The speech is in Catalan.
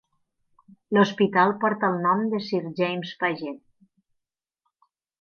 L'hospital porta el nom de Sir James Paget.